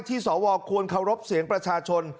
สวควรเคารพเสียงประชาชน